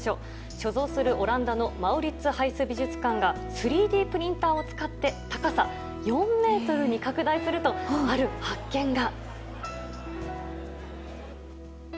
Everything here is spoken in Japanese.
所蔵するオランダのマウリッツハイス美術館が３Ｄプリンターを使って高さ４ｍに拡大するとある発見が。